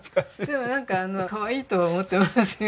でもなんかかわいいとは思ってますよ